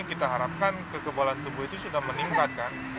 kita harapkan kekebalan tubuh itu sudah meningkat kan